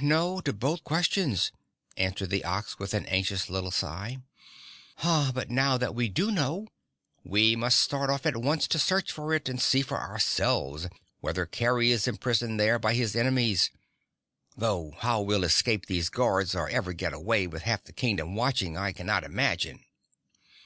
"No to both questions," answered the Ox with an anxious little sigh. "But now that we do know, we must start off at once to search for it and see for ourselves whether Kerry is imprisoned there by his enemies. Though how we'll escape these guards or ever get away with half the Kingdom watching, I cannot imagine!"